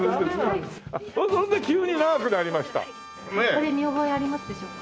これ見覚えありますでしょうか？